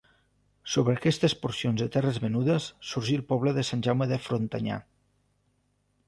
Sobre aquestes porcions de terres venudes sorgí el poble de Sant Jaume de Frontanyà.